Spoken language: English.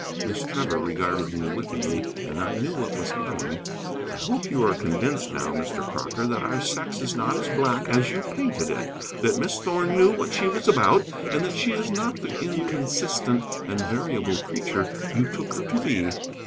Miss Trevor regarded me wickedly, and I knew what was coming. "I hope you are convinced, now, Mr. Crocker, that our sex is not as black as you painted it: that Miss Thorn knew what she was about, and that she is not the inconsistent and variable creature you took her to be."